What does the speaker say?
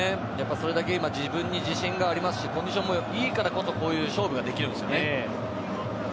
それだけ自分に自信がありますしコンディションもいいからこそこういう勝負ができるんですよね。